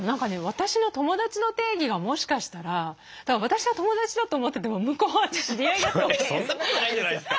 私の友だちの定義がもしかしたら私は友だちだと思ってても向こうは知り合いだったりとか。